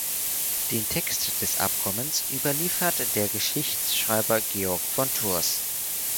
Den Text des Abkommens überliefert der Geschichtsschreiber Gregor von Tours.